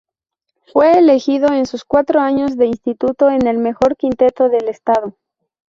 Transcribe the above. Fue elegido en sus cuatro años de instituto en el mejor quinteto del estado.